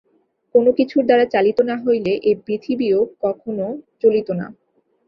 কোন কিছুর দ্বারা চালিত না হইলে এই পৃথিবীও কখনও চলিত না।